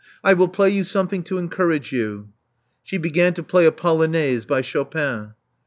I will play you some thin «^ to encourage you.*' She began to play a polonaise by Chopin.